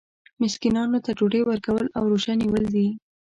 مسکینانو ته ډوډۍ ورکول او روژه نیول دي.